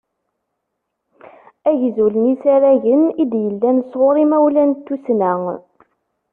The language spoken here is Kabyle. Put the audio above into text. Agzul n yisaragen i d-yellan s ɣur yimawlan n tussna.